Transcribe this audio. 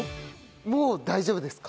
もう大丈夫ですか？